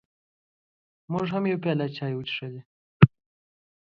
موږ هم یوه پیاله چای وڅښلې.